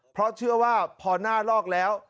เพราะเชื่อว่าพอหน้าลอกแล้ว